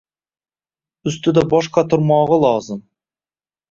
ustida bosh qotirmog‘i lozim.